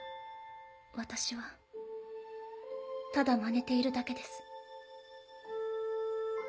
私はただまねているだけです。